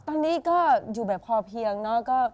ตอนนี้ก็อยู่แบบพอเพียงเนอะ